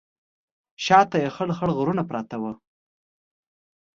شا ته یې خړ خړ غرونه پراته وو.